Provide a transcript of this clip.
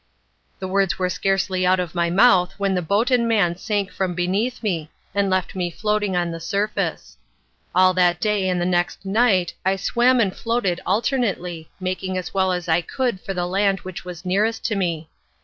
The words were scarcely out of my mouth when the boat and man sank from beneath me, and left me floating on the surface. All that day and the next night I swam and floated alternately, making as well as I could for the land which was nearest to me.